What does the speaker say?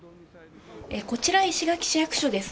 こちら、石垣市役所です